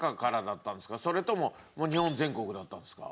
それとも日本全国だったんですか？